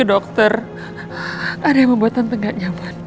dokter ada yang membuat tante gak nyaman